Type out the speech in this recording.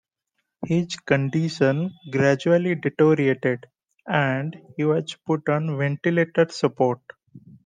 His condition gradually deteriorated, and he was put on ventilator support.